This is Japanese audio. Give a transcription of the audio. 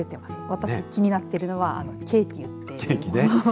私気になっているのはケーキです。